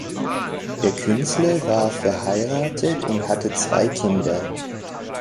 Der Künstler war verheiratet und hatte zwei Kinder.